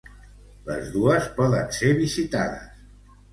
Les dos poden ser visitades.